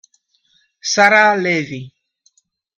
Sarah Lévy